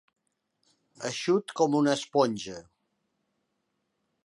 Eixut com una esponja.